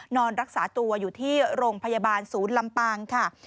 นอนรักษาตัวอยู่ที่โรงพยาบาลศูนย์ลำปางค่ะ